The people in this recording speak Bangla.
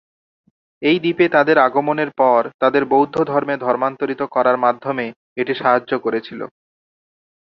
এই দ্বীপে তাদের আগমনের পর তাদের বৌদ্ধ ধর্মে ধর্মান্তরিত করার মাধ্যমে এটি সাহায্য করেছিল।